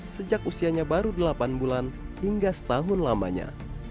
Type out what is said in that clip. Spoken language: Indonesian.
sejak usianya baru delapan bulan hingga setahun lamanya